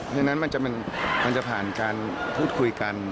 ฉะนั้นมันจะผ่านการพูดคุยกัน